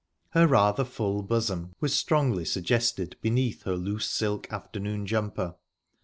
Her rather full bosom was strongly suggested beneath her loose silk afternoon jumper.